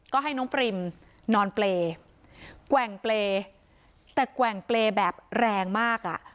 ก็ให้น้องปริมนอนเปรย์แกว่งเปรย์แต่แกว่งเปรย์แบบแรงมากอ่ะ